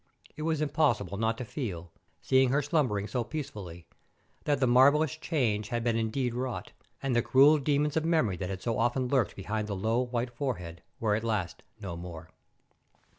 It was impossible not to feel, seeing her slumbering so peacefully, that the marvellous change had been indeed wrought, and the cruel demons of memory that had so often lurked behind the low, white forehead were at last no more.